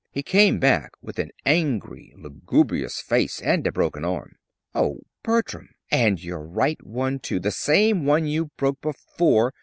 He came back with an angry, lugubrious face and a broken arm. "Oh, Bertram! And your right one, too the same one you broke before!"